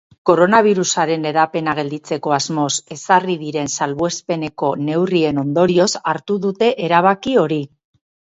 Koronabirusaren hedapena gelditzeko asmoz ezarri diren salbuespeneko neurrien ondorioz hartu dute erabaki hori.